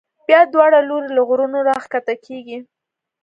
بیا دواړه لوري له غرونو را کښته کېږي.